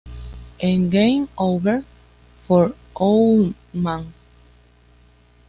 En "Game Over for Owlman!